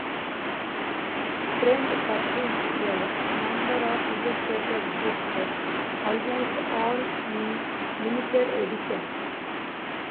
Friend published a number of illustrated books, almost all in limited editions.